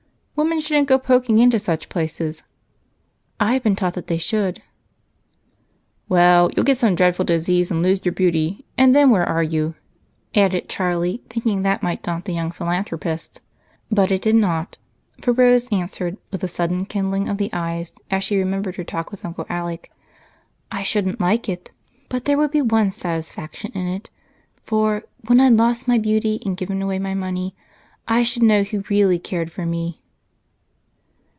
"Women shouldn't go poking into such places." "I've been taught that they should." "Well, you'll get some dreadful disease and lose your beauty, and then where are you?" added Charlie, thinking that might daunt the young philanthropist. But it did not, for Rose answered, with a sudden kindling of the eyes as she remembered her talk with Uncle Alec: "I shouldn't like it. But there would be one satisfaction in it, for when I'd lost my beauty and given away my money, I should know who really cared for me."